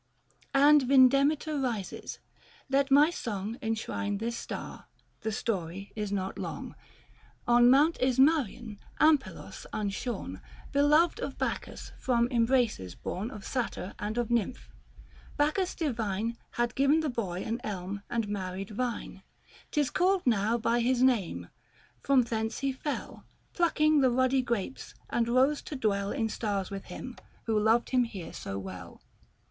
And Yindemitor rises : let my song Enshrine this star, the story is not long. On mount Ismarian, Ampelos, unshorn, Beloved of Bacchus, — from embraces born 440 Of Satyr and of Nymph ; Bacchus divine Had given the boy an elm and married vine ; 5 Tis called now by his name ; from thence he fell, Plucking the ruddy grapes, and rose to dwell In stars with him, who loved him here so well.